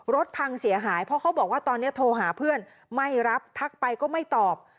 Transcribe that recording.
พังเสียหายเพราะเขาบอกว่าตอนนี้โทรหาเพื่อนไม่รับทักไปก็ไม่ตอบ